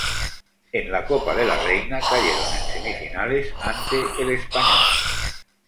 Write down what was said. En la Copa de la Reina cayeron en semifinales ante el Espanyol.